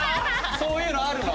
そういうのあるの？